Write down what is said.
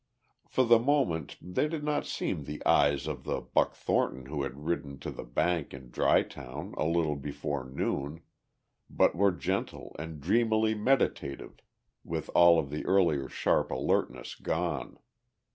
For the moment they did not seem the eyes of the Buck Thornton who had ridden to the bank in Dry Town a little before noon, but were gentle and dreamily meditative with all of the earlier sharp alertness gone.